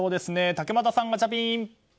竹俣さん、ガチャピン！